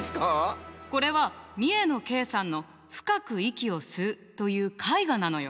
これは三重野慶さんの「深く、息を吸う」という絵画なのよ。